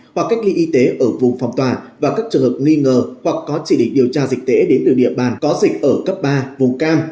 hoặc cách ly y tế ở vùng phòng tòa và các trường hợp nghi ngờ hoặc có chỉ định điều tra dịch tễ đến từ địa bàn có dịch ở cấp ba vùng cam